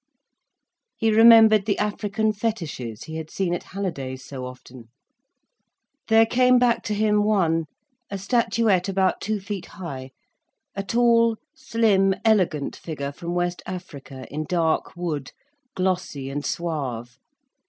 He remembered the African fetishes he had seen at Halliday's so often. There came back to him one, a statuette about two feet high, a tall, slim, elegant figure from West Africa, in dark wood, glossy and suave.